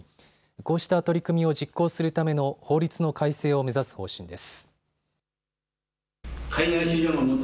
こうした取り組みを実行するための法律の改正を目指す方針です。